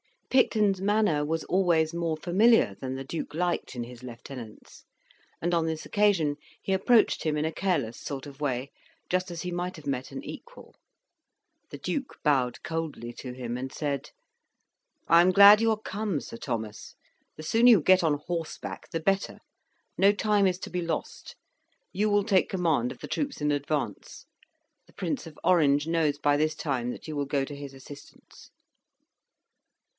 Picton's manner was always more familiar than the Duke liked in his lieutenants, and on this occasion he approached him in a careless sort of way, just as he might have met an equal. The Duke bowed coldly to him, and said, "I am glad you are come, Sir Thomas; the sooner you get on horseback the better; no time is to be lost. You will take the command of the troops in advance. The Prince of Orange knows by this time that you will go to his assistance."